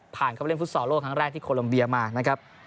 เข้าไปเล่นฟุตซอลโลกครั้งแรกที่โคลมเบียมานะครับ